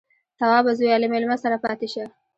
_توابه زويه، له مېلمه سره پاتې شه.